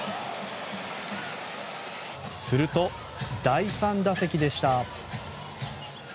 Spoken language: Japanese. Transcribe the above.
すると、第３打席でした。